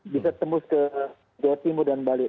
bisa tembus ke jawa timur dan bali